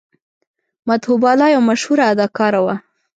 مدهو بالا یوه مشهوره اداکاره وه.